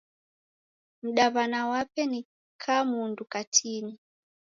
Mdaw'ana wape ni kamundu katini.